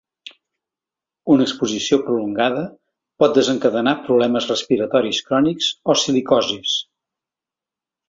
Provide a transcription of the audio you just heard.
Una exposició prolongada pot desencadenar problemes respiratoris crònics o silicosis.